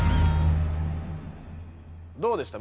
どうでした？